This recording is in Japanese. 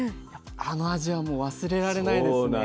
あの味はもう忘れられないですね。